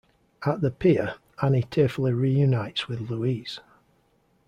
At the pier, Annie tearfully reunites with Louise.